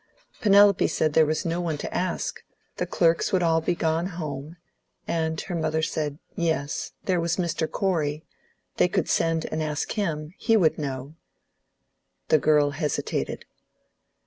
Penelope said there was no one to ask; the clerks would all be gone home, and her mother said yes, there was Mr. Corey; they could send and ask him; he would know. The girl hesitated.